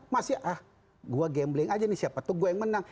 masih ah gue gambling aja nih siapa tuh gue yang menang